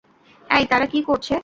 এই, তারা কি করছে?